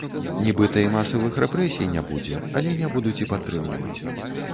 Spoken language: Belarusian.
Нібыта і масавых рэпрэсій не будзе, але не будуць і падтрымліваць.